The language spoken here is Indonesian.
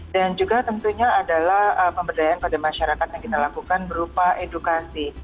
dan juga tentunya adalah pemberdayaan pada masyarakat yang kita lakukan berupa edukasi